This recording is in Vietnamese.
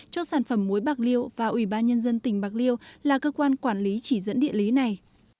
cho sản phẩm muối bạc liêu và ủy ban nhân dân tỉnh bạc liêu là cơ quan quản lý chỉ dẫn địa lý này